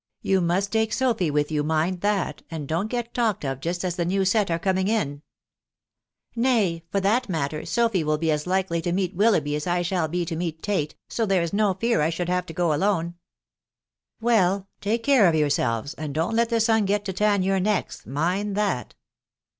.... You must take Sophy with you, mind that, and dofrt get talked oi yasX %& tat t&w • «fc coming in." * 10 THB W»OW BAXNABT. 4< Nay, for that matter, Sophy will be as likely to meet VFilloughby as I shall be to meet Tate, so there is no fear J should have to go alone/' " Well 1 .•.. take care of yourselves, and don't let the sun get to tan your necks, mind that.